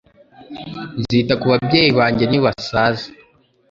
Nzita ku babyeyi banjye nibasaza